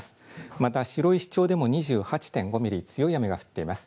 また白石町でも２８．５ミリ、強い雨が降ってます。